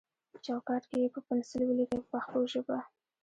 په چوکاټ کې یې په پنسل ولیکئ په پښتو ژبه.